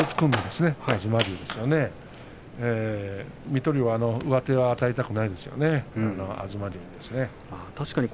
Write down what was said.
水戸龍は上手を与えたくないですね、東龍に。